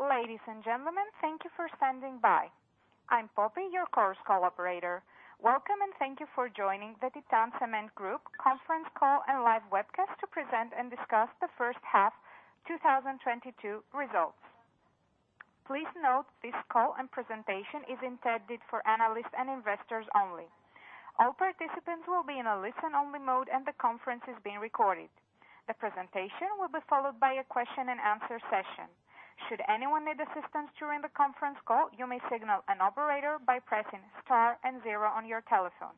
Ladies and gentlemen, thank you for standing by. I'm Poppy, your Call operator. Welcome, and thank you for joining the Titan Cement Group Conference Call and Live Webcast to present and discuss the First Half 2022 Results. Please note this call and presentation is intended for analysts and investors only. All participants will be in a listen-only mode, and the conference is being recorded. The presentation will be followed by a question and answer session. Should anyone need assistance during the conference call, you may signal an operator by pressing star and zero on your telephone.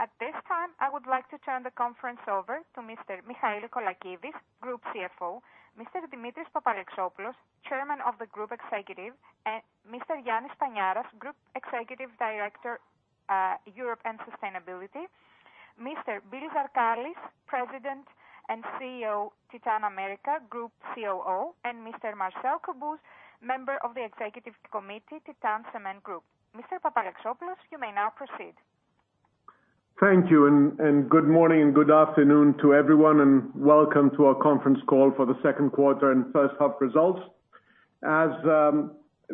At this time, I would like to turn the conference over to Mr. Michael Colakides, Group CFO, Mr. Dimitri Papalexopoulos, Chairman of the Group Executive, and Mr. Yanni Paniaras, Group Executive Director, Europe and Sustainability, Mr. Bill Zarkalis, President and CEO, Titan America Group COO, and Mr. Marcel Cobuz, Member of the Executive Committee, Titan Cement Group. Mr. Papalexopoulos, you may now proceed. Thank you and good morning and good afternoon to everyone, and welcome to our Conference Call for the Second Quarter and First Half Results. As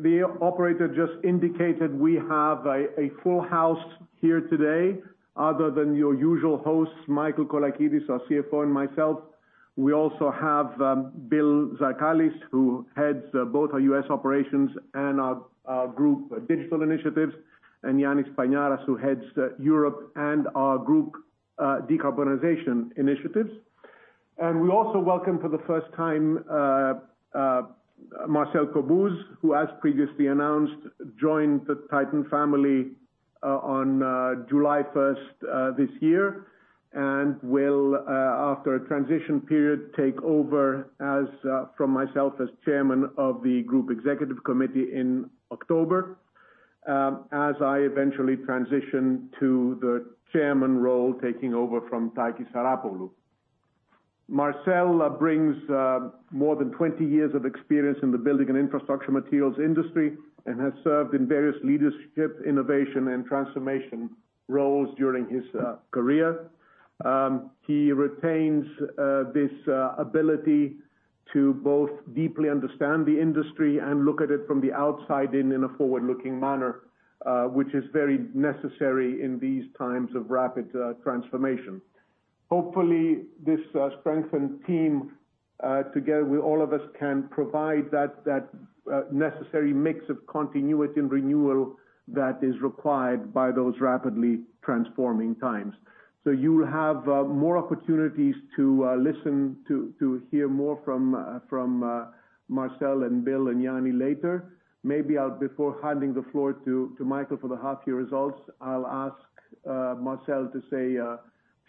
the operator just indicated, we have a full house here today. Other than your usual hosts, Michael Colakides, our CFO, and myself, we also have Bill Zarkalis, who heads both our U.S. operations and our group digital initiatives, and Yannis Paniaras, who heads Europe and our group decarbonization initiatives. We also welcome for the first time Marcel Cobuz, who has, as previously announced, joined the Titan family on July 1st this year and will, after a transition period, take over as from myself as chairman of the Group Executive Committee in October, as I eventually transition to the chairman role taking over from Takis Canellopoulos. Marcel brings more than 20 years of experience in the building and infrastructure materials industry and has served in various leadership, innovation, and transformation roles during his career. He retains his ability to both deeply understand the industry and look at it from the outside in a forward-looking manner, which is very necessary in these times of rapid transformation. Hopefully, this strengthened team together with all of us can provide that necessary mix of continuity and renewal that is required by those rapidly transforming times. You'll have more opportunities to listen to hear more from Marcel and Bill and Yannis later. Maybe before handing the floor to Michael for the half year results, I'll ask Marcel to say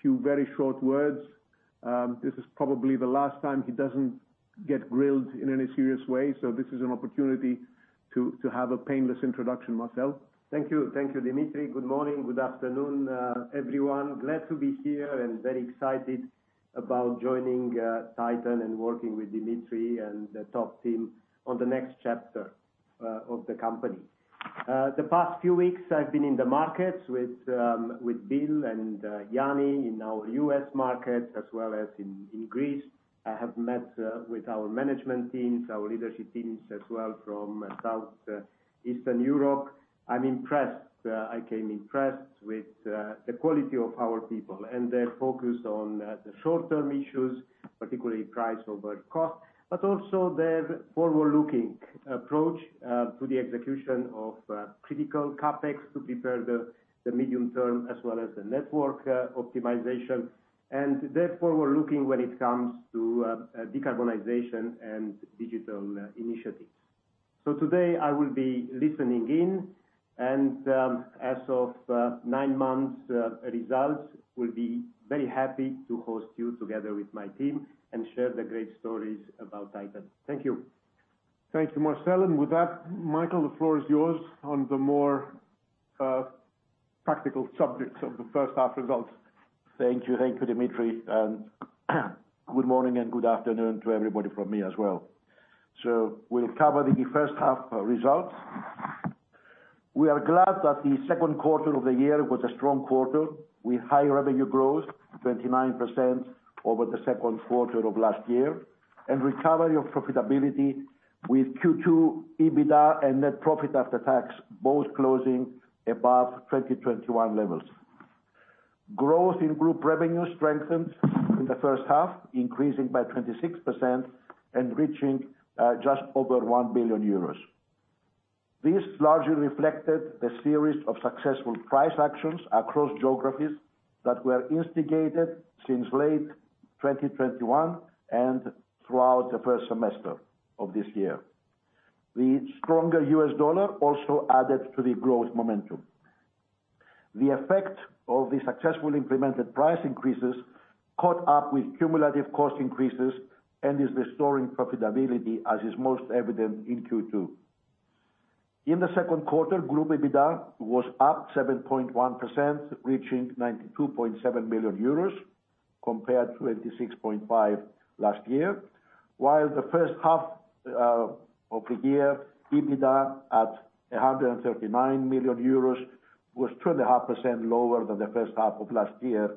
few very short words. This is probably the last time he doesn't get grilled in any serious way. This is an opportunity to have a painless introduction, Marcel. Thank you. Thank you, Dimitri. Good morning. Good afternoon, everyone. Glad to be here and very excited about joining Titan and working with Dimitri and the top team on the next chapter of the company. The past few weeks, I've been in the markets with Bill and Yannis in our US market as well as in Greece. I have met with our management teams, our leadership teams as well from South Eastern Europe. I'm impressed. I am impressed with the quality of our people and their focus on the short-term issues, particularly price over cost, but also their forward-looking approach to the execution of critical CapEx to prepare the medium term as well as the network optimization and therefore we're looking when it comes to decarbonization and digital initiatives. Today I will be listening in and, as of nine months results, we'll be very happy to host you together with my team and share the great stories about Titan. Thank you. Thank you, Marcel. With that, Michael, the floor is yours on the more practical subjects of the first half results. Thank you. Thank you, Dimitri. Good morning and good afternoon to everybody from me as well. We'll cover the first half results. We are glad that the second quarter of the year was a strong quarter with high revenue growth, 29% over the second quarter of last year, and recovery of profitability with Q2 EBITDA and net profit after tax both closing above 2021 levels. Growth in group revenue strengthened in the first half, increasing by 26% and reaching just over 1 billion euros. This largely reflected the series of successful price actions across geographies that were instigated since late 2021 and throughout the first semester of this year. The stronger U.S. dollar also added to the growth momentum. The effect of the successfully implemented price increases caught up with cumulative cost increases and is restoring profitability, as is most evident in Q2. In the second quarter, group EBITDA was up 7.1%, reaching 92.7 billion euros compared to 86.5 billion last year. While the first half of the year, EBITDA at 139 million euros was 2.5% lower than the first half of last year,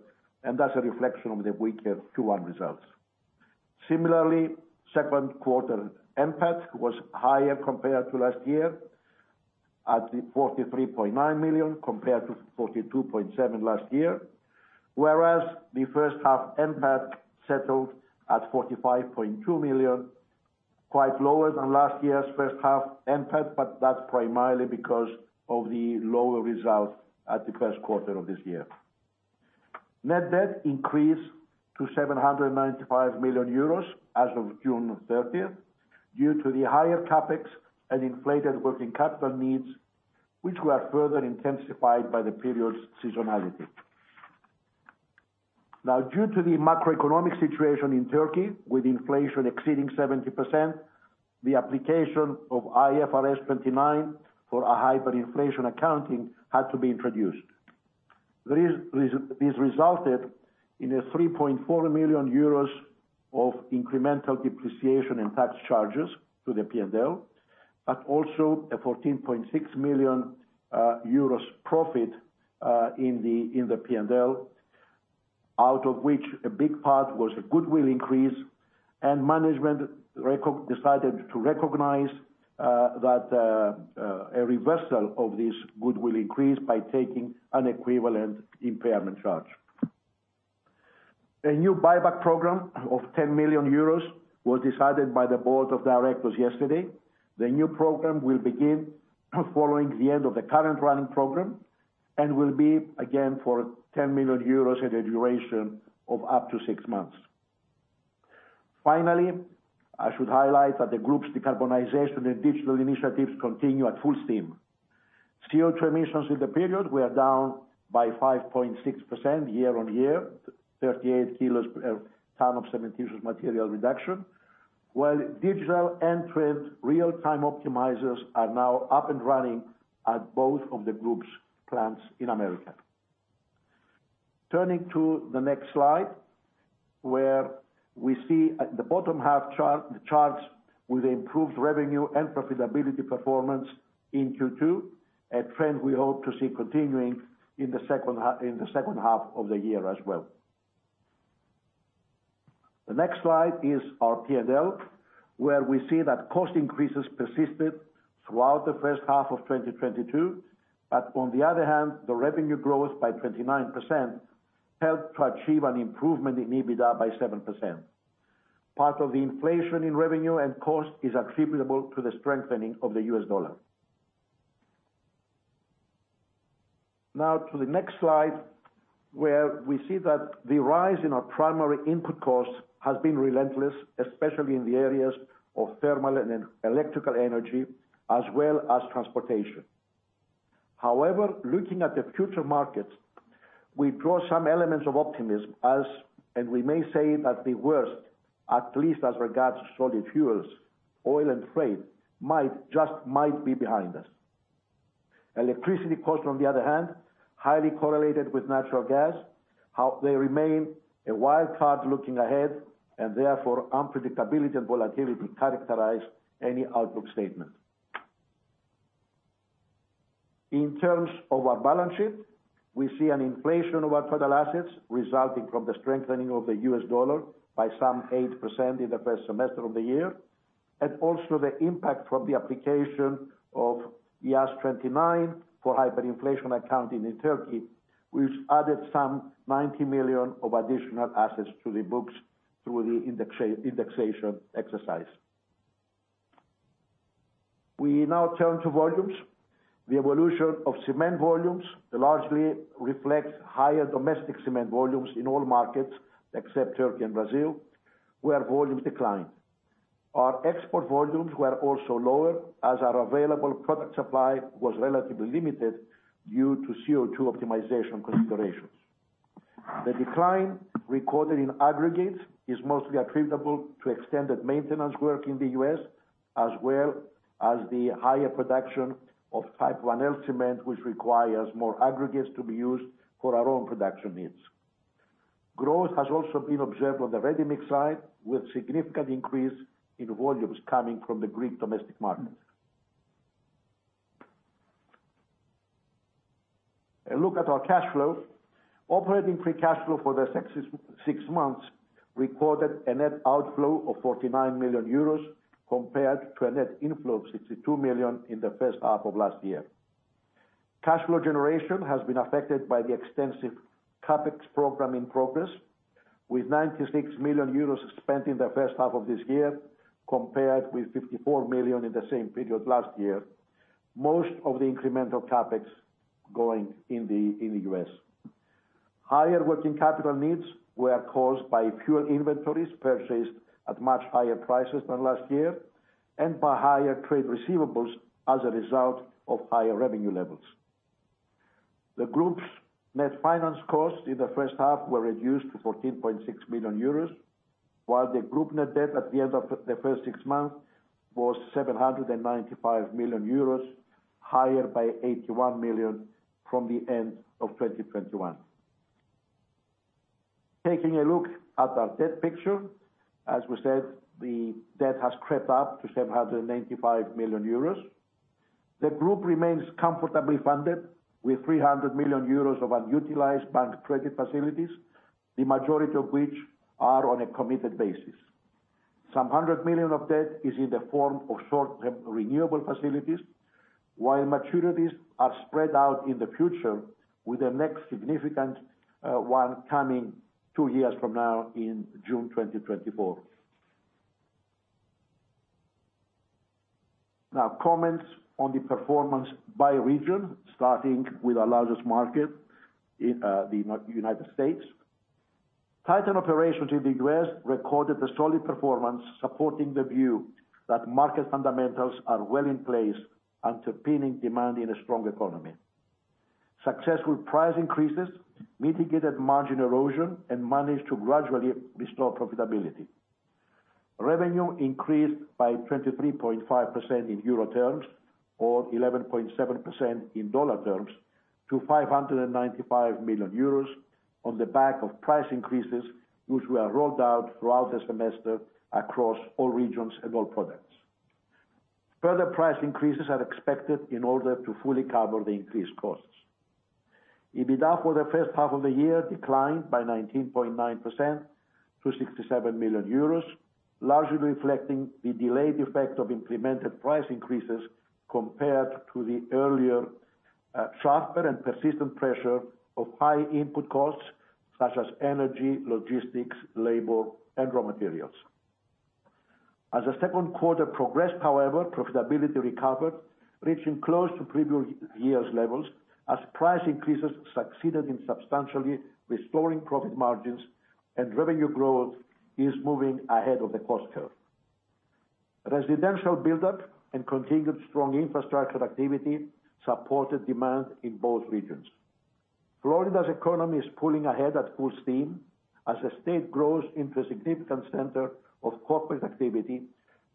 and that's a reflection of the weak Q1 results. Similarly, second quarter NPAT was higher compared to last year at 43.9 million compared to 42.7 million last year. Whereas the first half NPAT settled at 45.2 million, quite lower than last year's first half NPAT, but that's primarily because of the lower results at the first quarter of this year. Net debt increased to 795 million euros as of June 30th due to the higher CapEx and inflated working capital needs, which were further intensified by the period's seasonality. Due to the macroeconomic situation in Turkey with inflation exceeding 70%, the application of IAS 29 for hyperinflation accounting had to be introduced. This resulted in a 3.4 million euros of incremental depreciation and tax charges to the P&L, but also a 14.6 million euros profit in the P&L, out of which a big part was a goodwill increase, and management decided to recognize a reversal of this goodwill increase by taking an equivalent impairment charge. A new buyback program of 10 million euros was decided by the board of directors yesterday. The new program will begin following the end of the current running program and will be again for 10 million euros at a duration of up to six months. Finally, I should highlight that the group's decarbonization and digital initiatives continue at full steam. CO2 emissions in the period were down by 5.6% year-on-year, 38 kg per ton of cementitious material reduction. While digital and the real-time optimizers are now up and running at both of the group's plants in America. Turning to the next slide, where we see at the bottom half chart, the charts with improved revenue and profitability performance in Q2, a trend we hope to see continuing in the second half of the year as well. The next slide is our P&L, where we see that cost increases persisted throughout the first half of 2022. On the other hand, the revenue growth by 29% helped to achieve an improvement in EBITDA by 7%. Part of the inflation in revenue and cost is attributable to the strengthening of the U.S. dollar. Now to the next slide, where we see that the rise in our primary input cost has been relentless, especially in the areas of thermal and then electrical energy, as well as transportation. However, looking at the future markets, we draw some elements of optimism as, and we may say that the worst, at least as regards solid fuels, oil and freight, might, just might be behind us. Electricity costs, on the other hand, highly correlated with natural gas, how they remain a wild card looking ahead, and therefore unpredictability and volatility characterize any outlook statement. In terms of our balance sheet, we see an inflation of our total assets resulting from the strengthening of the U.S. dollar by some 8% in the first semester of the year. Also the impact from the application of IAS 29 for hyperinflation accounting in Turkey, which added 90 million of additional assets to the books through the indexation exercise. We now turn to volumes. The evolution of cement volumes largely reflects higher domestic cement volumes in all markets except Turkey and Brazil, where volumes declined. Our export volumes were also lower, as our available product supply was relatively limited due to CO2 optimization considerations. The decline recorded in aggregates is mostly attributable to extended maintenance work in the U.S., as well as the higher production of Type 1L cement, which requires more aggregates to be used for our own production needs. Growth has also been observed on the ready-mix side with significant increase in volumes coming from the Greek domestic market. A look at our cash flow. Operating free cash flow for the six months recorded a net outflow of 49 million euros compared to a net inflow of 62 million in the first half of last year. Cash flow generation has been affected by the extensive CapEx program in progress, with 96 million euros spent in the first half of this year compared with 54 million in the same period last year. Most of the incremental CapEx going in the U.S. Higher working capital needs were caused by pure inventories purchased at much higher prices than last year and by higher trade receivables as a result of higher revenue levels. The group's net finance costs in the first half were reduced to 14.6 million euros, while the group net debt at the end of the first six months was 795 million euros, higher by 81 million from the end of 2021. Taking a look at our debt picture. As we said, the debt has crept up to 795 million euros. The group remains comfortably funded with 300 million euros of unutilized bank credit facilities, the majority of which are on a committed basis. Some 100 million of debt is in the form of short-term renewable facilities, while maturities are spread out in the future with the next significant one coming two years from now in June 2024. Now, comments on the performance by region, starting with our largest market, the United States. Titan operations in the U.S. recorded a solid performance, supporting the view that market fundamentals are well in place, underpinning demand in a strong economy. Successful price increases mitigated margin erosion and managed to gradually restore profitability. Revenue increased by 23.5% in euro terms, or 11.7% in dollar terms, to 595 million euros on the back of price increases, which were rolled out throughout the semester across all regions and all products. Further price increases are expected in order to fully cover the increased costs. EBITDA for the first half of the year declined by 19.9% to 67 million euros, largely reflecting the delayed effect of implemented price increases compared to the earlier transfer and persistent pressure of high input costs such as energy, logistics, labor, and raw materials. As the second quarter progressed, however, profitability recovered, reaching close to previous years' levels as price increases succeeded in substantially restoring profit margins and revenue growth is moving ahead of the cost curve. Residential build-up and continued strong infrastructure activity supported demand in both regions. Florida's economy is pulling ahead at full steam as the state grows into a significant center of corporate activity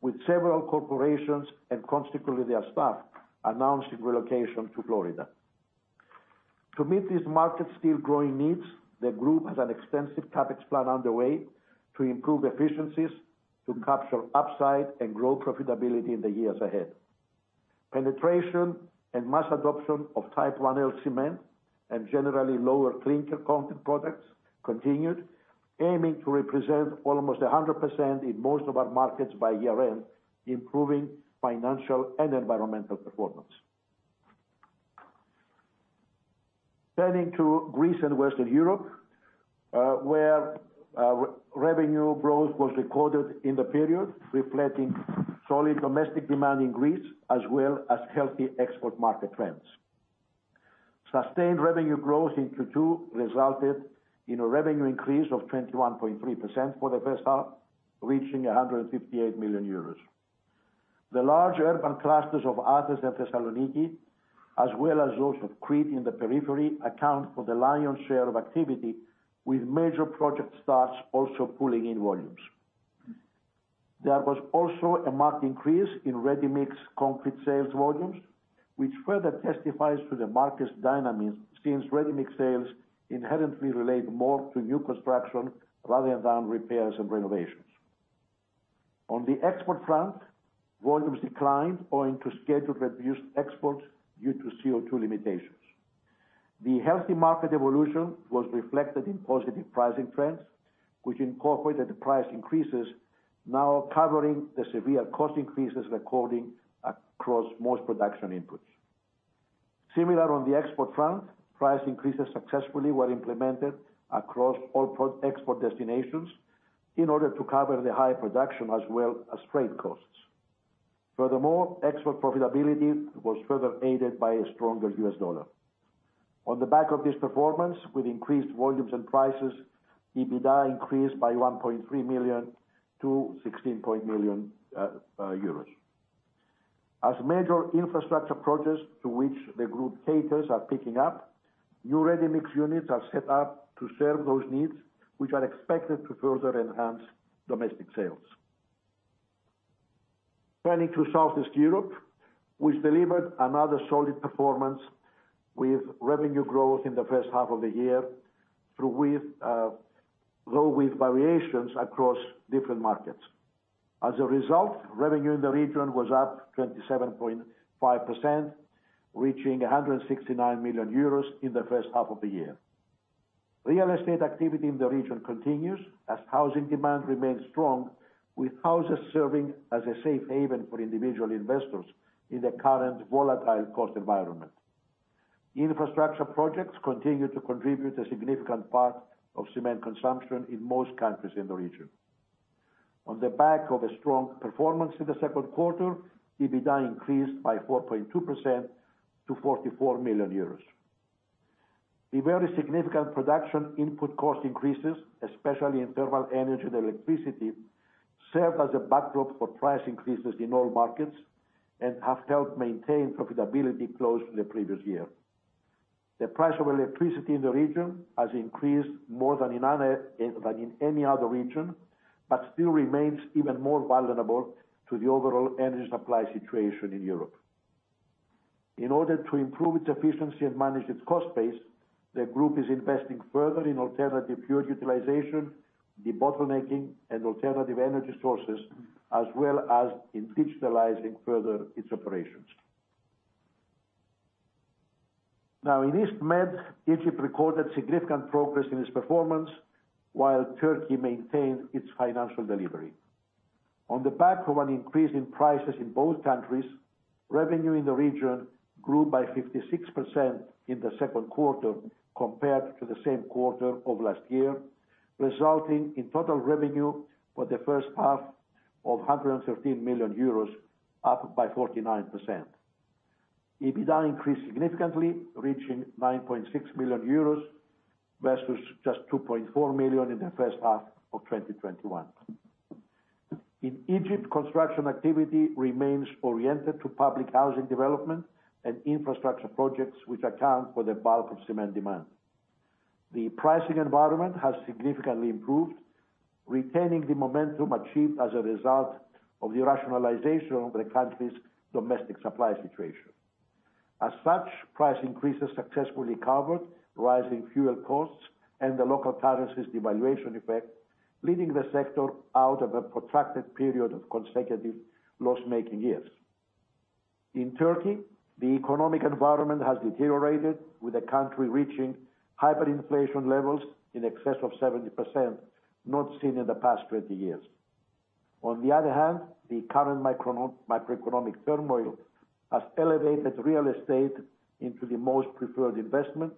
with several corporations, and consequently their staff, announcing relocation to Florida. To meet these markets still growing needs, the group has an extensive CapEx plan underway to improve efficiencies to capture upside and grow profitability in the years ahead. Penetration and mass adoption of Type 1L cement and generally lower clinker content products continued, aiming to represent almost 100% in most of our markets by year-end, improving financial and environmental performance. Turning to Greece and Western Europe, where revenue growth was recorded in the period, reflecting solid domestic demand in Greece, as well as healthy export market trends. Sustained revenue growth in Q2 resulted in a revenue increase of 21.3% for the first half, reaching 158 million euros. The large urban clusters of Athens and Thessaloniki, as well as those of Crete in the periphery, account for the lion's share of activity, with major project starts also pulling in volumes. There was also a marked increase in ready-mix concrete sales volumes, which further testifies to the market's dynamics since ready-mix sales inherently relate more to new construction rather than repairs and renovations. On the export front, volumes declined owing to scheduled reduced exports due to CO2 limitations. The healthy market evolution was reflected in positive pricing trends, which incorporated the price increases now covering the severe cost increases recording across most production inputs. Similar on the export front, price increases successfully were implemented across all pro-export destinations in order to cover the high production as well as trade costs. Furthermore, export profitability was further aided by a stronger U.S. dollar. On the back of this performance, with increased volumes and prices, EBITDA increased by 1.3 million to 16 million euros. As major infrastructure projects to which the group caters are picking up, new ready-mix units are set up to serve those needs, which are expected to further enhance domestic sales. Turning to Southeast Europe, which delivered another solid performance with revenue growth in the first half of the year though with variations across different markets. As a result, revenue in the region was up 27.5%, reaching 169 million euros in the first half of the year. Real estate activity in the region continues as housing demand remains strong, with houses serving as a safe haven for individual investors in the current volatile cost environment. Infrastructure projects continue to contribute a significant part of cement consumption in most countries in the region. On the back of a strong performance in the second quarter, EBITDA increased by 4.2% to 44 million euros. The very significant production input cost increases, especially in thermal energy and electricity, served as a backdrop for price increases in all markets and have helped maintain profitability close to the previous year. The price of electricity in the region has increased more than in any other region, but still remains even more vulnerable to the overall energy supply situation in Europe. In order to improve its efficiency and manage its cost base, the group is investing further in alternative fuel utilization, debottlenecking and alternative energy sources, as well as in digitalizing further its operations. Now in East Med, Egypt recorded significant progress in its performance, while Turkey maintained its financial delivery. On the back of an increase in prices in both countries, revenue in the region grew by 56% in the second quarter compared to the same quarter of last year, resulting in total revenue for the first half of 113 million euros, up by 49%. EBITDA increased significantly, reaching 9.6 million euros versus just 2.4 million in the first half of 2021. In Egypt, construction activity remains oriented to public housing development and infrastructure projects which account for the bulk of cement demand. The pricing environment has significantly improved, retaining the momentum achieved as a result of the rationalization of the country's domestic supply situation. As such, price increases successfully covered rising fuel costs and the local currency's devaluation effect, leading the sector out of a protracted period of consecutive loss-making years. In Turkey, the economic environment has deteriorated, with the country reaching hyperinflation levels in excess of 70%, not seen in the past 20 years. On the other hand, the current microeconomic turmoil has elevated real estate into the most preferred investment,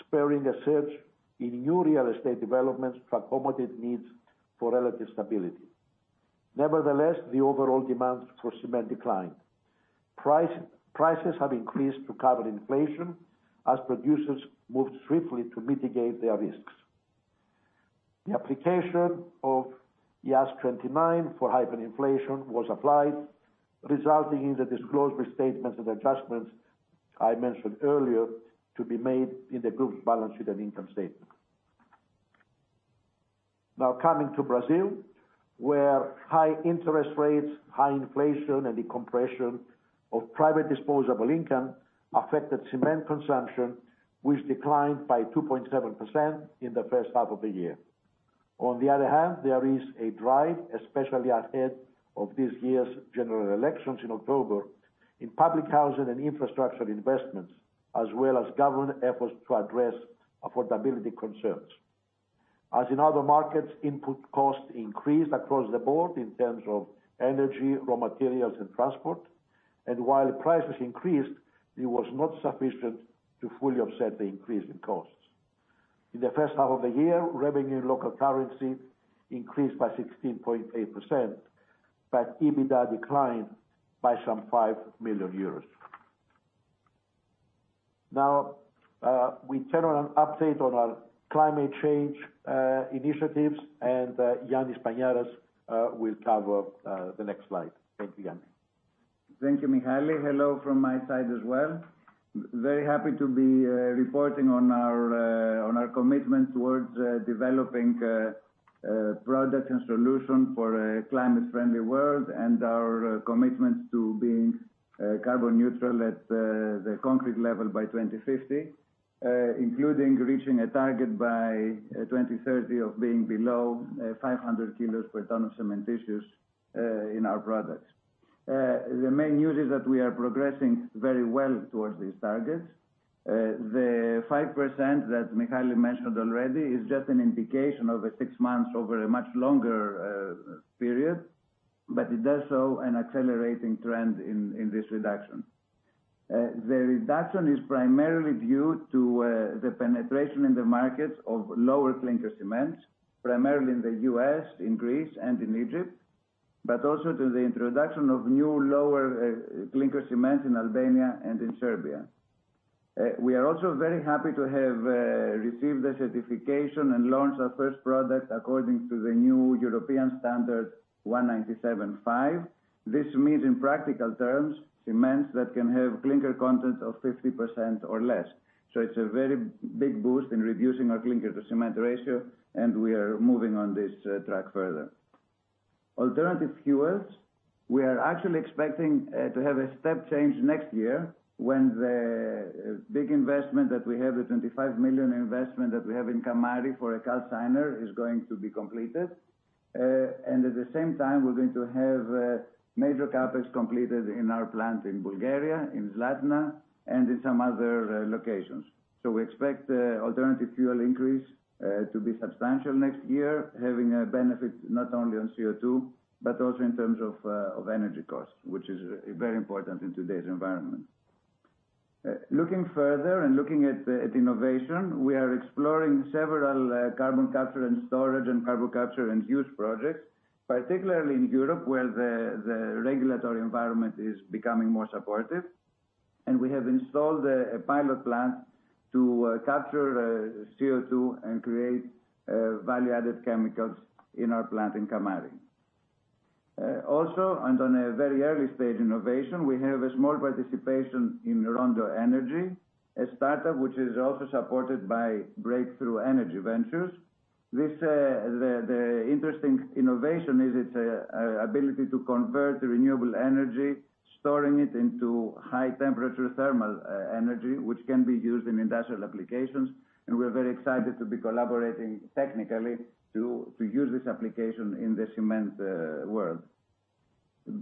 spurring a surge in new real estate developments to accommodate needs for relative stability. Nevertheless, the overall demand for cement declined. Prices have increased to cover inflation as producers moved swiftly to mitigate their risks. The application of IAS 29 for hyperinflation was applied, resulting in the disclosed restatements and adjustments I mentioned earlier to be made in the group's balance sheet and income statement. Now coming to Brazil, where high interest rates, high inflation and the compression of private disposable income affected cement consumption, which declined by 2.7% in the first half of the year. On the other hand, there is a drive, especially ahead of this year's general elections in October, in public housing and infrastructure investments, as well as government efforts to address affordability concerns. As in other markets, input costs increased across the board in terms of energy, raw materials and transport. While prices increased, it was not sufficient to fully offset the increase in costs. In the first half of the year, revenue in local currency increased by 16.8%, but EBITDA declined by some 5 million euros. Now, we turn to an update on our climate change initiatives, and Yannis Paniaras will cover the next slide. Thank you, Yannis. Thank you, Michael. Hello from my side as well. Very happy to be reporting on our commitment towards developing products and solutions for a climate friendly world and our commitments to being carbon neutral at the concrete level by 2050, including reaching a target by 2030 of being below 500 kilos per ton of cementitious in our products. The main news is that we are progressing very well towards these targets. The 5% that Michael mentioned already is just an indication over six months over a much longer period, but it does show an accelerating trend in this reduction. The reduction is primarily due to the penetration in the markets of lower clinker cements, primarily in the U.S., in Greece and in Egypt, but also to the introduction of new lower clinker cements in Albania and in Serbia. We are also very happy to have received the certification and launched our first product according to the new European Standard EN 197-5. This means, in practical terms, cements that can have clinker content of 50% or less. It's a very big boost in reducing our clinker to cement ratio, and we are moving on this track further. Alternative fuels. We are actually expecting to have a step change next year when the big investment that we have, the 25 million investment that we have in Kamari for a calciner, is going to be completed. At the same time, we're going to have major CapEx completed in our plant in Bulgaria, in Zlatna, and in some other locations. We expect the alternative fuel increase to be substantial next year, having a benefit not only on CO2, but also in terms of of energy costs, which is very important in today's environment. Looking further at innovation, we are exploring several carbon capture and storage and carbon capture and use projects, particularly in Europe, where the regulatory environment is becoming more supportive. We have installed a pilot plant to capture CO2 and create value-added chemicals in our plant in Kamari. Also and on a very early stage innovation, we have a small participation in Rondo Energy, a startup which is also supported by Breakthrough Energy Ventures. The interesting innovation is its ability to convert the renewable energy, storing it into high temperature thermal energy, which can be used in industrial applications. We're very excited to be collaborating technically to use this application in the cement world.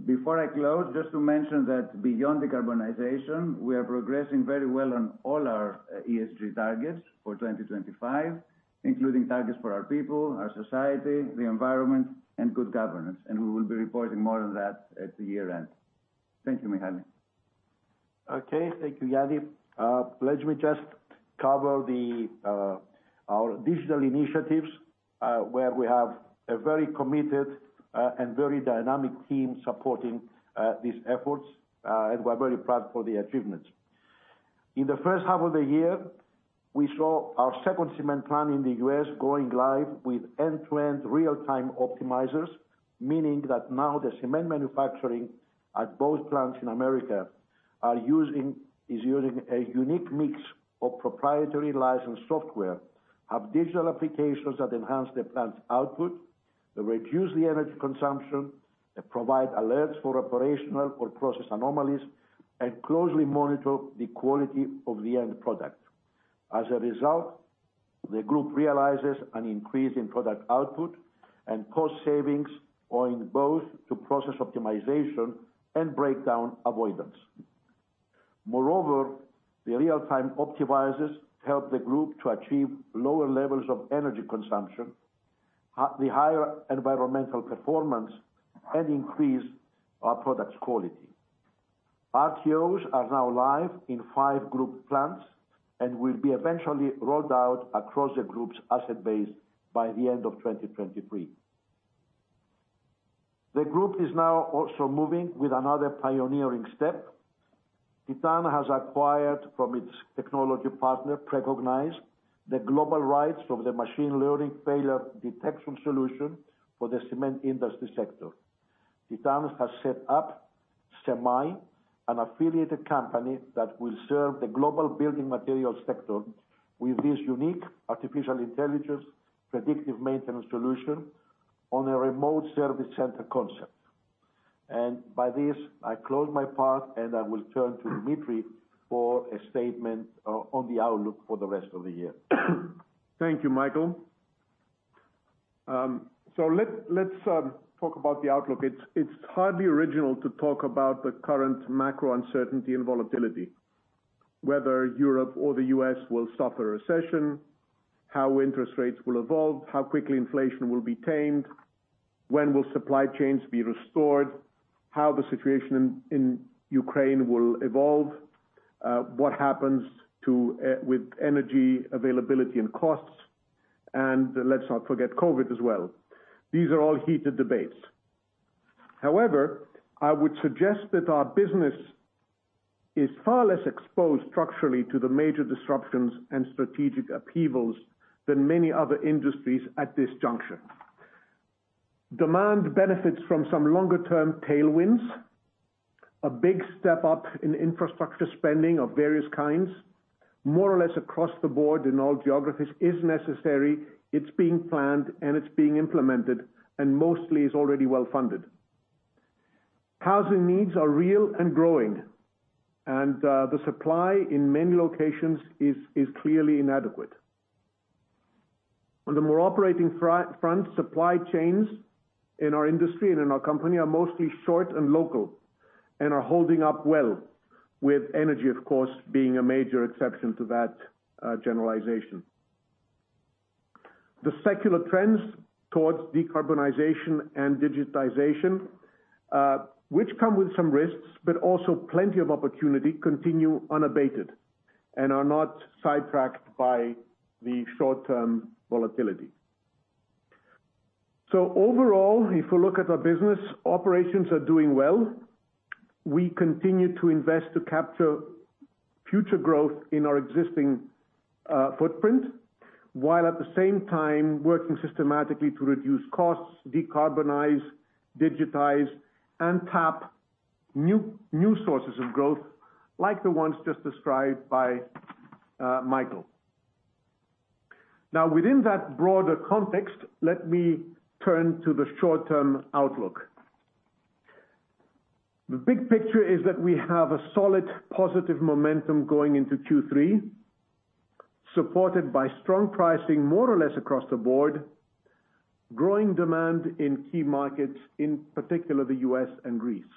Before I close, just to mention that beyond decarbonization, we are progressing very well on all our ESG targets for 2025, including targets for our people, our society, the environment, and good governance. We will be reporting more on that at the year-end. Thank you, Michael. Okay. Thank you, Yannis. Let me just cover our digital initiatives, where we have a very committed and very dynamic team supporting these efforts. We're very proud for the achievements. In the first half of the year, we saw our second cement plant in the U.S. going live with end-to-end Real-Time Optimizers, meaning that now the cement manufacturing at both plants in America is using a unique mix of proprietary licensed software. Have digital applications that enhance the plant's output, that reduce the energy consumption, that provide alerts for operational or process anomalies, and closely monitor the quality of the end product. As a result, the group realizes an increase in product output and cost savings owing both to process optimization and breakdown avoidance. Moreover, the Real-Time Optimizers help the group to achieve lower levels of energy consumption, the higher environmental performance, and increase our products' quality. RTOs are now live in five group plants and will be eventually rolled out across the group's asset base by the end of 2023. The group is now also moving with another pioneering step. Titan has acquired from its technology partner, Precognize, the global rights of the machine learning failure detection solution for the cement industry sector. Titan has set up CemAI, an affiliated company that will serve the global building material sector with this unique artificial intelligence predictive maintenance solution on a remote service center concept. By this, I close my part, and I will turn to Dimitri for a statement on the outlook for the rest of the year. Thank you, Michael. So let's talk about the outlook. It's hardly original to talk about the current macro uncertainty and volatility, whether Europe or the U.S. will stop a recession, how interest rates will evolve, how quickly inflation will be tamed, when will supply chains be restored, how the situation in Ukraine will evolve, what happens with energy availability and costs, and let's not forget COVID as well. These are all heated debates. However, I would suggest that our business is far less exposed structurally to the major disruptions and strategic upheavals than many other industries at this juncture. Demand benefits from some longer-term tailwinds. A big step up in infrastructure spending of various kinds, more or less across the board in all geographies, is necessary. It's being planned, and it's being implemented, and mostly is already well-funded. Housing needs are real and growing, and the supply in many locations is clearly inadequate. On the more operating front, supply chains in our industry and in our company are mostly short and local and are holding up well with energy, of course, being a major exception to that generalization. The secular trends towards decarbonization and digitization, which come with some risks but also plenty of opportunity, continue unabated and are not sidetracked by the short-term volatility. Overall, if we look at our business, operations are doing well. We continue to invest to capture future growth in our existing footprint, while at the same time working systematically to reduce costs, decarbonize, digitize, and tap new sources of growth like the ones just described by Michael. Now, within that broader context, let me turn to the short-term outlook. The big picture is that we have a solid positive momentum going into Q3, supported by strong pricing more or less across the board, growing demand in key markets, in particular, the U.S. and Greece.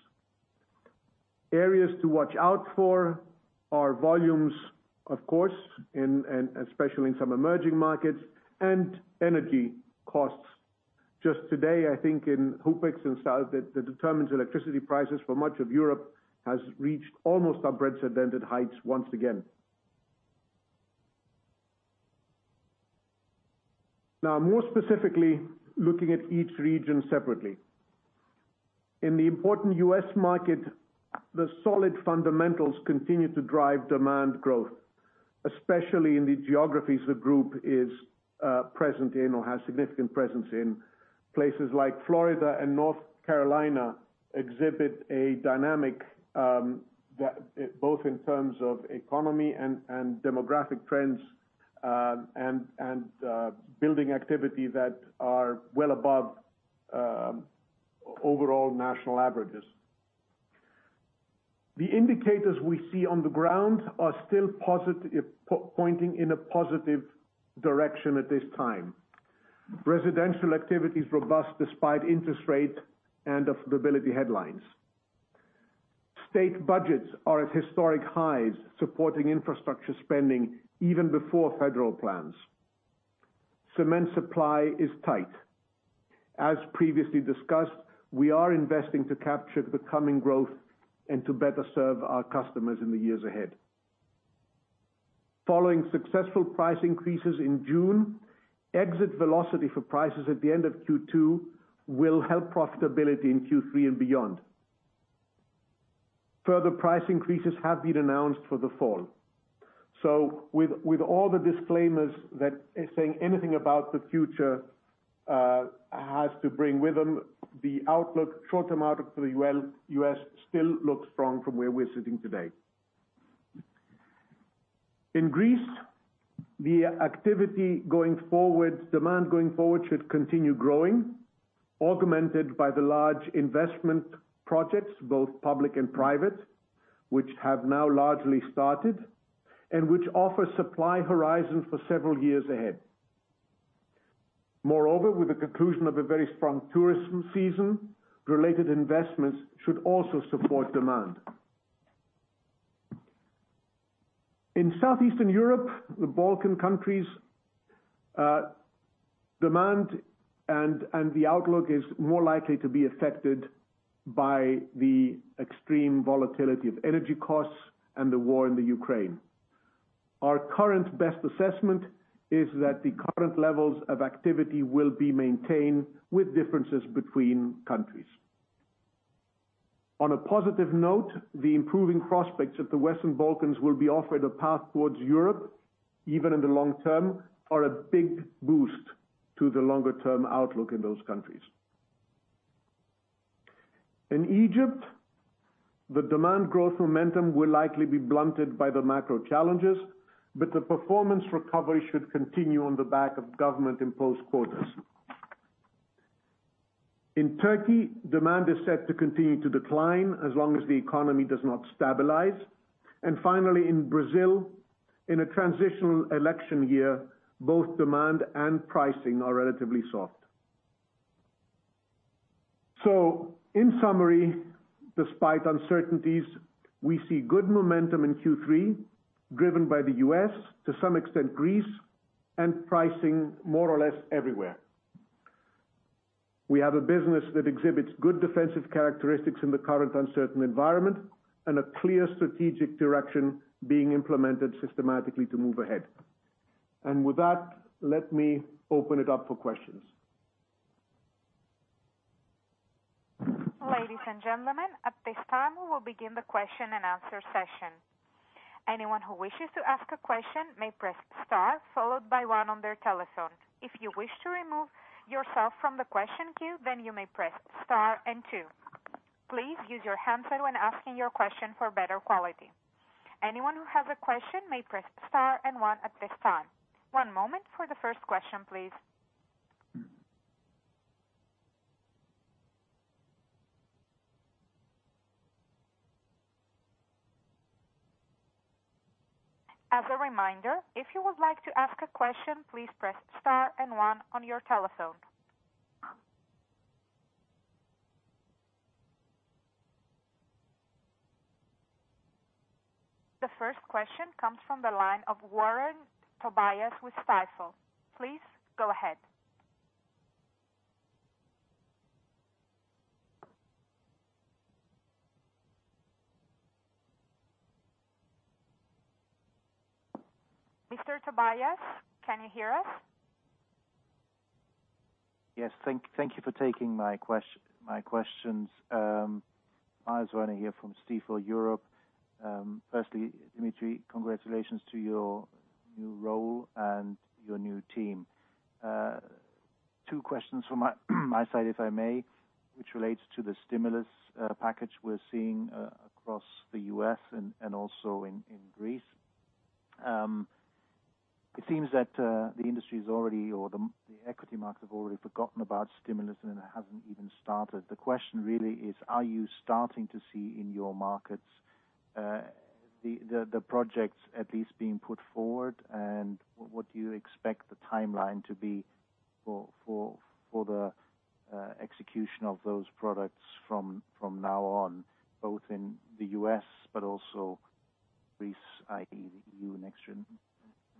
Areas to watch out for are volumes, of course, and especially in some emerging markets, and energy costs. Just today, I think, in, [inaudible] and south, that determines electricity prices for much of Europe has reached almost unprecedented heights once again. Now, more specifically, looking at each region separately. In the important U.S. market, the solid fundamentals continue to drive demand growth, especially in the geographies the group is present in or has significant presence in. Places like Florida and North Carolina exhibit a dynamic both in terms of economy and demographic trends and building activity that are well above overall national averages. The indicators we see on the ground are still positive, pointing in a positive direction at this time. Residential activity is robust despite interest rates and affordability headlines. State budgets are at historic highs, supporting infrastructure spending even before federal plans. Cement supply is tight. As previously discussed, we are investing to capture the coming growth and to better serve our customers in the years ahead. Following successful price increases in June, exit velocity for prices at the end of Q2 will help profitability in Q3 and beyond. Further price increases have been announced for the fall. With all the disclaimers that saying anything about the future has to bring with them, the short-term outlook for the U.S. still looks strong from where we're sitting today. In Greece, demand going forward should continue growing, augmented by the large investment projects, both public and private, which have now largely started and which offer supply horizon for several years ahead. Moreover, with the conclusion of a very strong tourism season, related investments should also support demand. In Southeastern Europe, the Balkan countries, demand and the outlook is more likely to be affected by the extreme volatility of energy costs and the war in Ukraine. Our current best assessment is that the current levels of activity will be maintained with differences between countries. On a positive note, the improving prospects that the Western Balkans will be offered a path towards Europe, even in the long term, are a big boost to the longer-term outlook in those countries. In Egypt, the demand growth momentum will likely be blunted by the macro challenges, but the performance recovery should continue on the back of government-imposed quotas. In Turkey, demand is set to continue to decline as long as the economy does not stabilize. Finally, in Brazil, in a transitional election year, both demand and pricing are relatively soft. In summary, despite uncertainties, we see good momentum in Q3, driven by the U.S., to some extent Greece, and pricing more or less everywhere. We have a business that exhibits good defensive characteristics in the current uncertain environment and a clear strategic direction being implemented systematically to move ahead. With that, let me open it up for questions. Ladies and gentlemen, at this time, we will begin the question and answer session. Anyone who wishes to ask a question may press star followed by one on their telephone. If you wish to remove yourself from the question queue, then you may press star and two. Please use your handset when asking your question for better quality. Anyone who has a question may press star and one at this time. One moment for the first question, please. As a reminder, if you would like to ask a question, please press star and one on your telephone. The first question comes from the line of Woerner Tobias with Stifel. Please go ahead. Mr. Tobias, can you hear us? Yes. Thank you for taking my questions. Woerner here from Stifel Europe. Firstly, Dimitri, congratulations to your new role and your new team. Two questions from my side, if I may, which relates to the stimulus package we're seeing across the U.S. and also in Greece. It seems that the industry's already or the equity markets have already forgotten about stimulus, and it hasn't even started. The question really is, are you starting to see in your markets the projects at least being put forward? What do you expect the timeline to be for the execution of those projects from now on, both in the U.S., but also Greece, i.e.,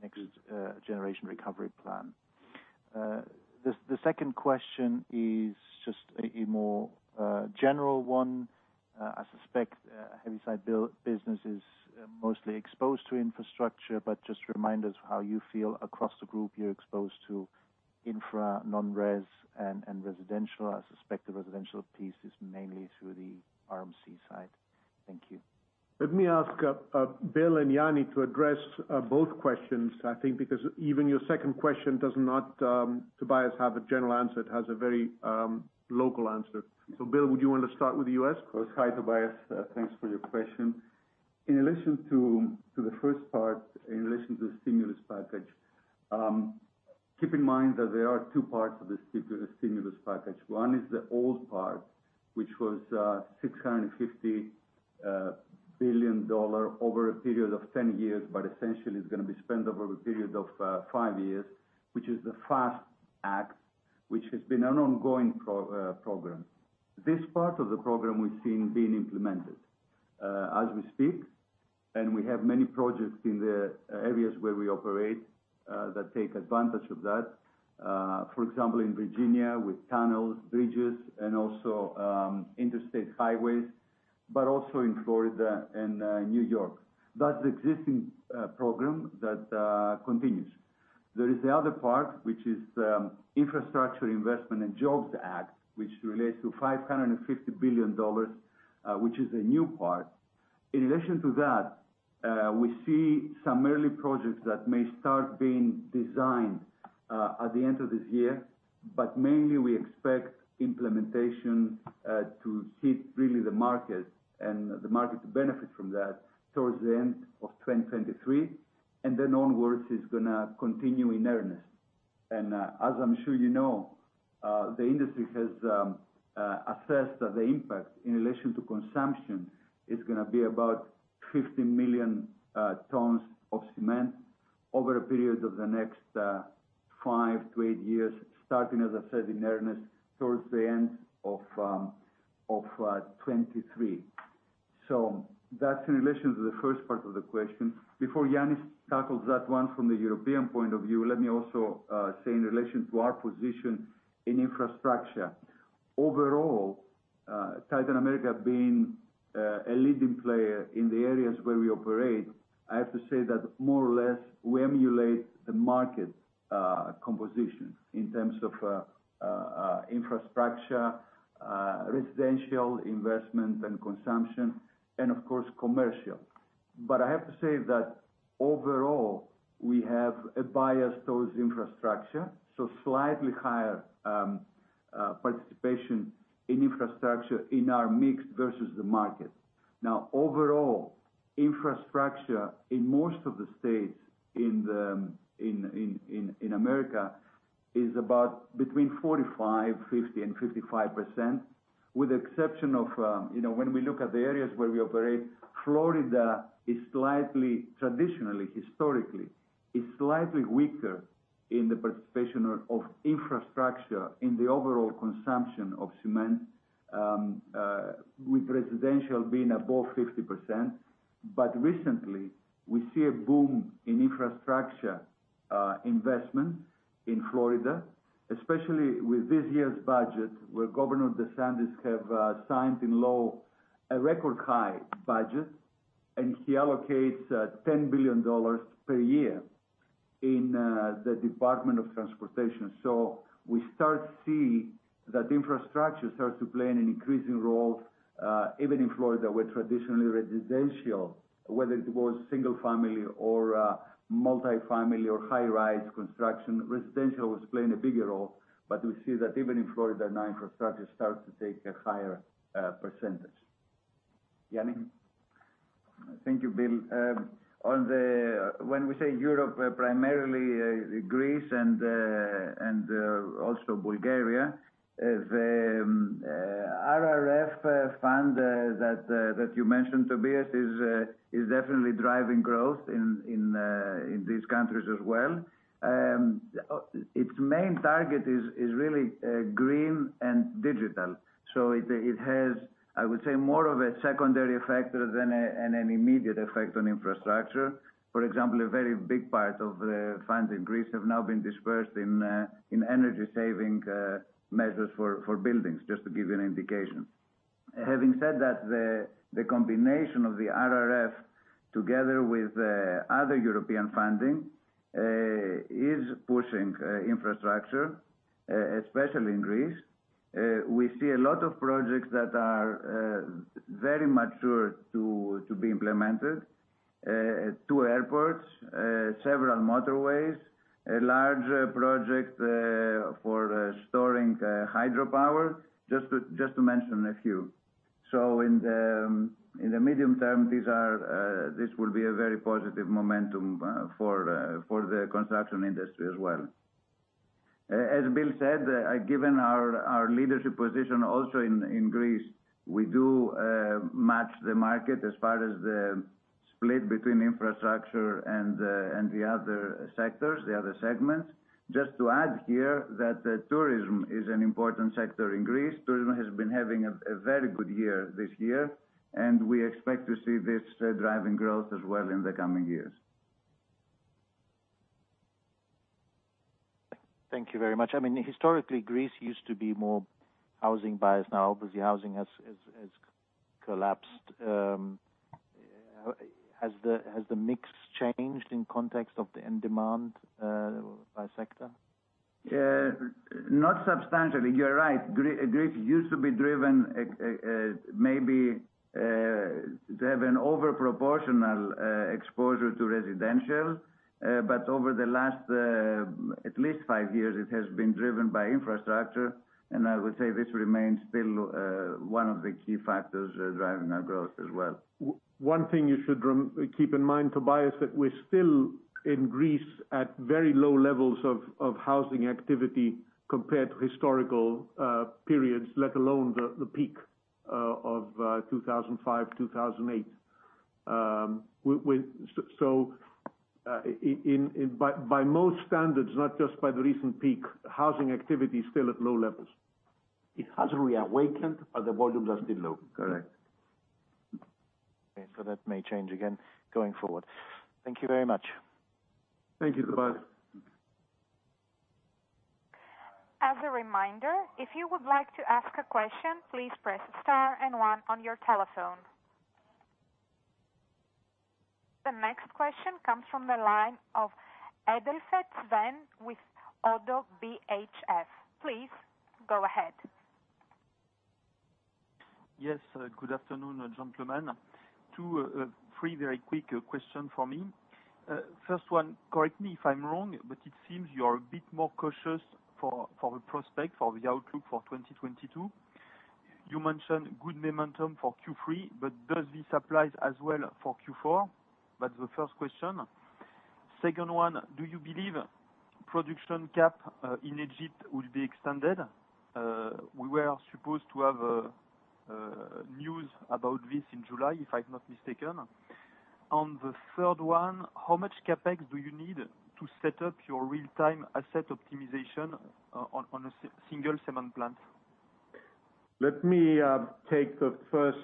NextGenerationEU recovery plan? The second question is just a more general one. I suspect heavy-side business is mostly exposed to infrastructure, but just remind us how you feel across the group you're exposed to infra, non-res, and residential. I suspect the residential piece is mainly through the RMC side. Thank you. Let me ask Bill and Yannis to address both questions. I think because even your second question does not, Tobias, have a general answer. It has a very local answer. Bill, would you want to start with the U.S.? Of course. Hi, Tobias. Thanks for your question. In relation to the first part, in relation to the stimulus package, keep in mind that there are two parts of the stimulus package. One is the old part, which was $650 billion dollar over a period of 10 years. Essentially, it's gonna be spent over a period of five years, which is the FAST Act, which has been an ongoing program. This part of the program we've seen being implemented as we speak, and we have many projects in the areas where we operate that take advantage of that. For example, in Virginia with tunnels, bridges, and also interstate highways, but also in Florida and New York. That's the existing program that continues. There is the other part, which is, Infrastructure Investment and Jobs Act, which relates to $550 billion, which is a new part. In addition to that, we see some early projects that may start being designed at the end of this year. Mainly, we expect implementation to hit really the market and the market to benefit from that towards the end of 2023. Then onwards, it's gonna continue in earnest. As I'm sure you know, the industry has assessed that the impact in relation to consumption is gonna be about 50 million tons of cement over a period of the next five to eight years, starting as I said in earnest towards the end of 2023. That's in relation to the first part of the question. Before Yannis tackles that one from the European point of view, let me also say in relation to our position in infrastructure. Overall, Titan America being a leading player in the areas where we operate, I have to say that more or less we emulate the market composition in terms of infrastructure, residential investment and consumption, and of course, commercial. I have to say that overall, we have a bias towards infrastructure, so slightly higher participation in infrastructure in our mix versus the market. Now, overall, infrastructure in most of the states in America is about between 45%, 50%, and 55%. With the exception of, you know, when we look at the areas where we operate, Florida is slightly traditionally, historically, slightly weaker in the participation of infrastructure in the overall consumption of cement, with residential being above 50%. Recently, we see a boom in infrastructure investment in Florida, especially with this year's budget, where Governor DeSantis have signed into law a record high budget, and he allocates $10 billion per year in the Department of Transportation. We start to see that infrastructure starts to play an increasing role even in Florida, where traditionally residential, whether it was single-family or multi-family or high-rise construction, residential was playing a bigger role. We see that even in Florida now, infrastructure starts to take a higher percentage. Yannis? Thank you, Bill. When we say Europe, primarily Greece and also Bulgaria, the RRF fund that you mentioned, Tobias, is definitely driving growth in these countries as well. Its main target is really green and digital. It has, I would say, more of a secondary effect rather than an immediate effect on infrastructure. For example, a very big part of the funds in Greece have now been dispersed in energy-saving measures for buildings, just to give you an indication. Having said that, the combination of the RRF together with other European funding is pushing infrastructure especially in Greece. We see a lot of projects that are very mature to be implemented. Two airports, several motorways, a large project for storing hydropower, just to mention a few. In the medium term, this will be a very positive momentum for the construction industry as well. As Bill said, given our leadership position also in Greece, we do match the market as far as the split between infrastructure and the other sectors, the other segments. Just to add here that tourism is an important sector in Greece. Tourism has been having a very good year this year, and we expect to see this driving growth as well in the coming years. Thank you very much. I mean, historically, Greece used to be more housing biased. Now, obviously, housing has collapsed. Has the mix changed in context of the end demand by sector? Not substantially. You're right. Greece used to be driven, maybe, to have an over proportional exposure to residential. Over the last at least five years, it has been driven by infrastructure. I would say this remains still one of the key factors driving our growth as well. One thing you should keep in mind, Tobias, that we're still in Greece at very low levels of housing activity compared to historical periods, let alone the peak of 2005-2008. By most standards, not just by the recent peak, housing activity is still at low levels. It has reawakened, but the volumes are still low. Correct. Okay. That may change again going forward. Thank you very much. Thank you, Tobias. As a reminder, if you would like to ask a question, please press star and one on your telephone. The next question comes from the line of Adelfas van der Velden with Oddo BHF. Please go ahead. Yes. Good afternoon, gentlemen. Two, three very quick question from me. First one, correct me if I'm wrong, but it seems you are a bit more cautious for the prospect for the outlook for 2022. You mentioned good momentum for Q3, but does this apply as well for Q4? That's the first question. Second one, do you believe production cap in Egypt will be extended? We were supposed to have news about this in July, if I'm not mistaken. On the third one, how much CapEx do you need to set up your real-time asset optimization on a single cement plant? Let me take the first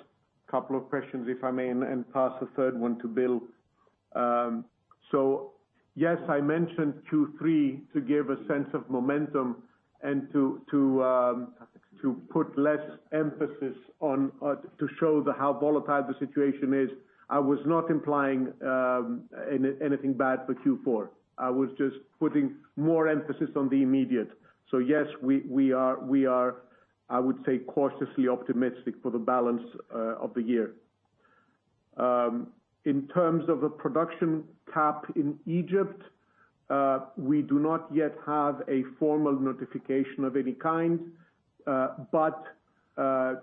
couple of questions, if I may, and pass the third one to Bill. Yes, I mentioned Q3 to give a sense of momentum and to put less emphasis on to show how volatile the situation is. I was not implying anything bad for Q4. I was just putting more emphasis on the immediate. Yes, we are, I would say, cautiously optimistic for the balance of the year. In terms of a production cap in Egypt, we do not yet have a formal notification of any kind, but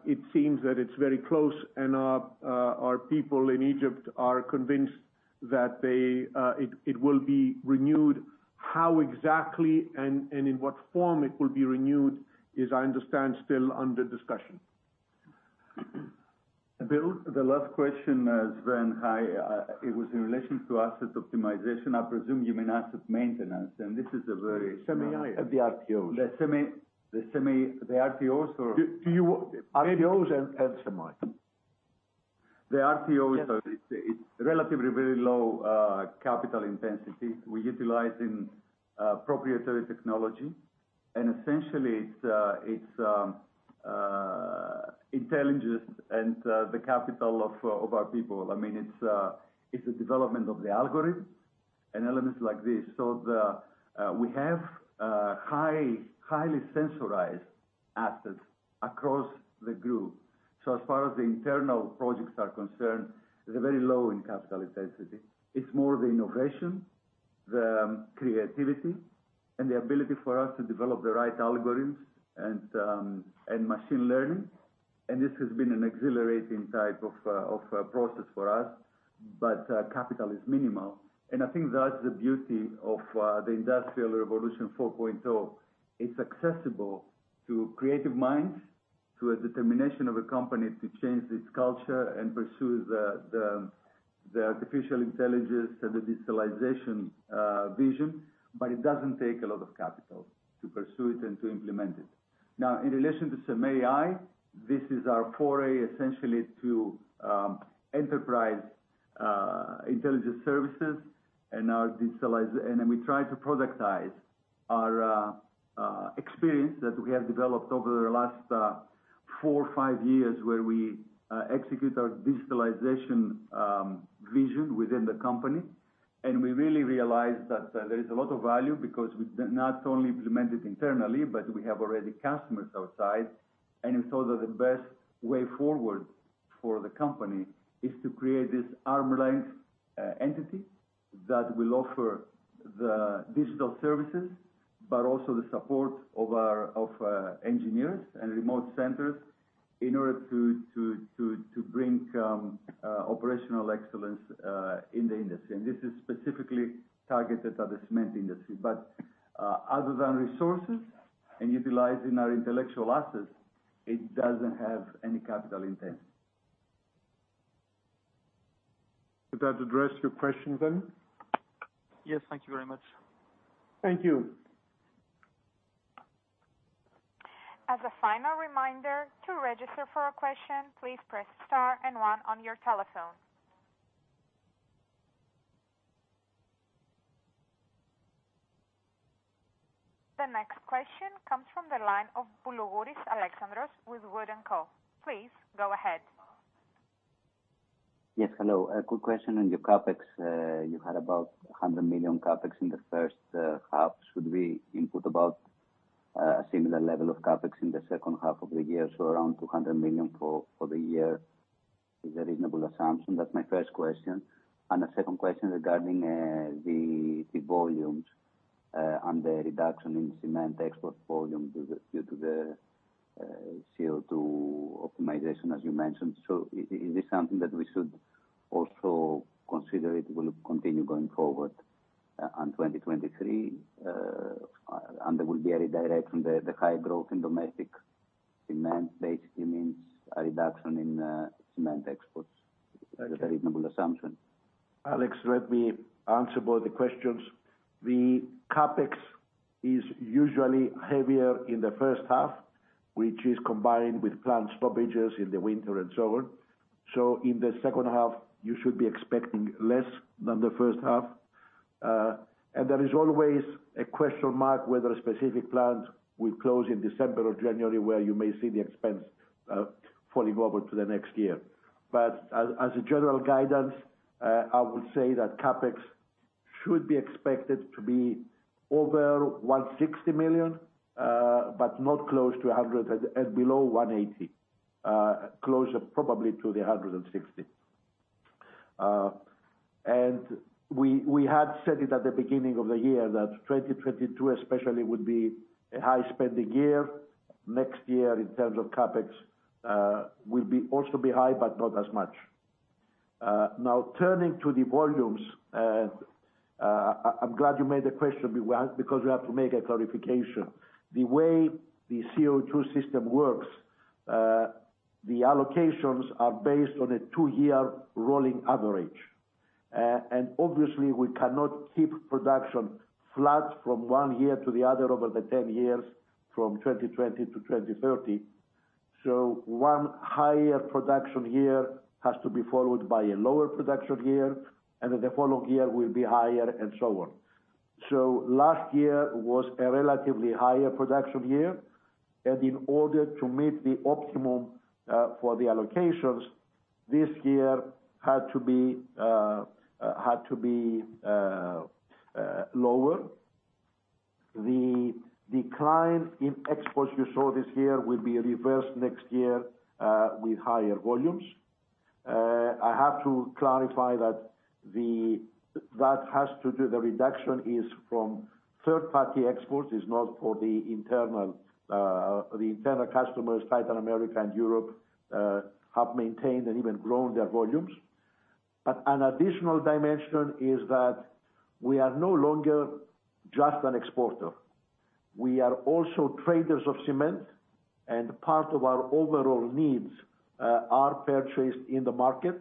it seems that it's very close and our people in Egypt are convinced that it will be renewed. How exactly and in what form it will be renewed is, I understand, still under discussion. Bill? The last question as well. Hi, it was in relation to asset optimization. I presume you mean asset maintenance, and this is a very.... Semi... The RTOs. RTOs and semi. The RTOs are. It's relatively very low capital intensity. We utilize proprietary technology, and essentially it's intelligence and the capital of our people. I mean, it's a development of the algorithm and elements like this. We have highly sensorized assets across the group. As far as the internal projects are concerned, they're very low in capital intensity. It's more the innovation, the creativity, and the ability for us to develop the right algorithms and machine learning. This has been an exhilarating type of process for us. Capital is minimal. I think that's the beauty of the industrial revolution 4.0. It's accessible to creative minds, to a determination of a company to change its culture and pursue the artificial intelligence and the digitalization vision, but it doesn't take a lot of capital to pursue it and to implement it. Now, in relation to CemAI, this is our foray essentially to enterprise intelligence services and our digitalization, and then we try to productize our experience that we have developed over the last four, five years, where we execute our digitalization vision within the company. We really realized that there is a lot of value because we do not only implement it internally, but we have already customers outside. We thought that the best way forward for the company is to create this arm's length entity that will offer the digital services, but also the support of our engineers and remote centers in order to bring operational excellence in the industry. This is specifically targeted at the cement industry. Other than resources and utilizing our intellectual assets, it doesn't have any capital intent. Did that address your question then? Yes. Thank you very much. Thank you. As a final reminder, to register for a question, please press star and one on your telephone. The next question comes from the line of Alexandros Boulougouris with Wood & Co. Please go ahead. Yes. Hello. A quick question on your CapEx. You had about 100 million CapEx in the first half. Should we input about a similar level of CapEx in the second half of the year, so around 200 million for the year is a reasonable assumption? That's my first question. A second question regarding the volumes and the reduction in cement export volume due to the CO2 optimization, as you mentioned. Is this something that we should also consider it will continue going forward on 2023? And there will be a redirection there. The high growth in domestic cement basically means a reduction in cement exports. Is that a reasonable assumption? Alex, let me answer both the questions. The CapEx is usually heavier in the first half, which is combined with plant stoppages in the winter and so on. In the second half, you should be expecting less than the first half. There is always a question mark whether specific plants will close in December or January, where you may see the expense falling over to the next year. As a general guidance, I would say that CapEx should be expected to be over 160 million, but not close to 180 and below 180. Closer probably to the 160. We had said it at the beginning of the year that 2022 especially would be a high spending year. Next year in terms of CapEx, will also be high, but not as much. Now turning to the volumes. I'm glad you made the question because we have to make a clarification. The way the CO2 system works, the allocations are based on a two-year rolling average. Obviously we cannot keep production flat from one year to the other over the 10 years from 2020 to 2030. One higher production year has to be followed by a lower production year, and then the following year will be higher and so on. Last year was a relatively higher production year. In order to meet the optimum, for the allocations, this year had to be lower. The decline in exports you saw this year will be reversed next year with higher volumes. I have to clarify that. That has to do with the reduction from third-party exports. It's not for the internal customers. Titan America and Europe have maintained and even grown their volumes. An additional dimension is that we are no longer just an exporter. We are also traders of cement, and part of our overall needs are purchased in the market.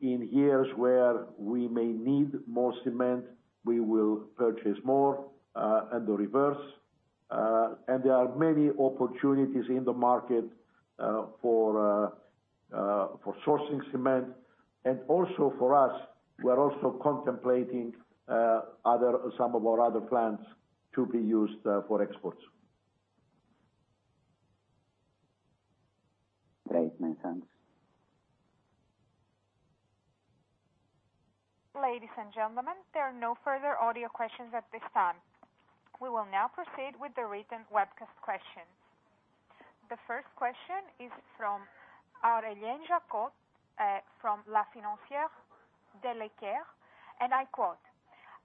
In years where we may need more cement, we will purchase more and the reverse. There are many opportunities in the market for sourcing cement. Also for us, we're also contemplating some of our other plants to be used for exports. Great. Many thanks. Ladies and gentlemen, there are no further audio questions at this time. We will now proceed with the written webcast questions. The first question is from Aurelien Jaccottet from La Financière de l'Échiquier, and I quote,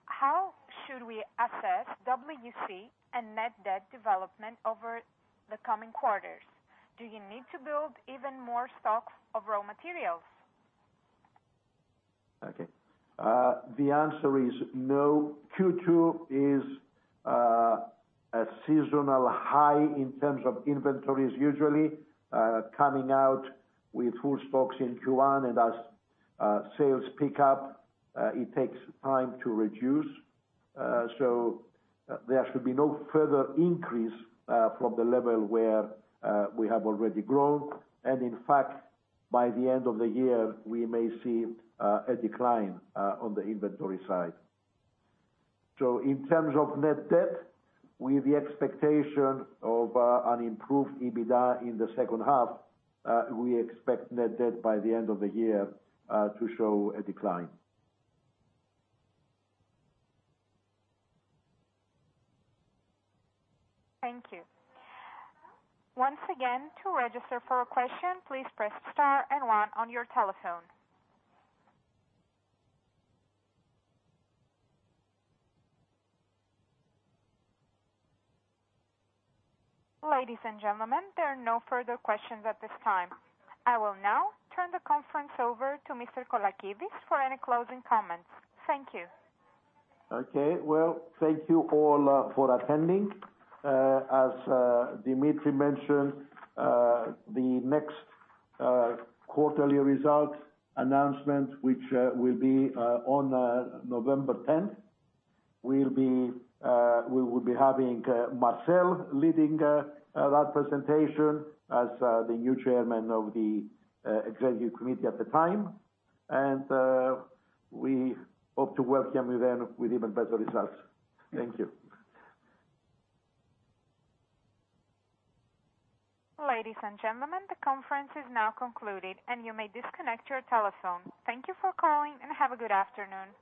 "How should we assess WC and net debt development over the coming quarters? Do you need to build even more stocks of raw materials? Okay. The answer is no. Q2 is a seasonal high in terms of inventories, usually coming out with full stocks in Q1, and as sales pick up, it takes time to reduce. There should be no further increase from the level where we have already grown. In fact, by the end of the year, we may see a decline on the inventory side. In terms of net debt, with the expectation of an improved EBITDA in the second half, we expect net debt by the end of the year to show a decline. Thank you. Once again, to register for a question, please press star and one on your telephone. Ladies and gentlemen, there are no further questions at this time. I will now turn the conference over to Mr. Michael Colakides for any closing comments. Thank you. Okay. Well, thank you all for attending. As Dimitri mentioned, the next quarterly result announcement, which will be on November 10th, we will be having Marcel leading that presentation as the new Chairman of the Executive Committee at the time. We hope to welcome you then with even better results. Thank you. Ladies and gentlemen, the conference is now concluded and you may disconnect your telephone. Thank you for calling and have a good afternoon.